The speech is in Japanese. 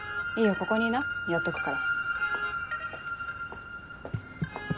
ここにいなやっとくから。